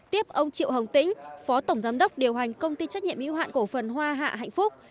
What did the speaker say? tiếp ông triệu hồng tĩnh phó tổng giám đốc điều hành công ty trách nhiệm yêu hạn cổ phần hoa hạ hạnh phúc